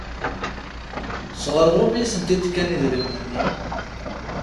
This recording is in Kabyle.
Sɣur wumi i sent-d-kan idrimen-nni?